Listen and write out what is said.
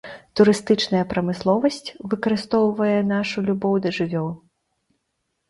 Турыстычная прамысловасць выкарыстоўвае нашу любоў да жывёл.